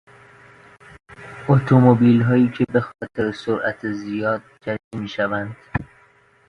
اتومبیلهایی که به خاطر سرعت زیاد جریمه میشوند